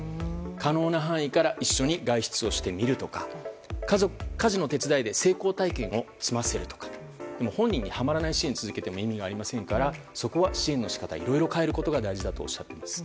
可能な範囲から一緒に外出をしてみるとか家事の手伝いで成功体験を済ませるとか本人に、はまらない支援を続けても意味がありませんからそこは支援の仕方をいろいろ変えることが大事だとおっしゃっています。